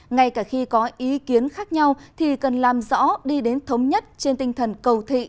ngay cả khi có ý kiến khác nhau thì cần làm rõ đi đến thống nhất trên tinh thần cầu thị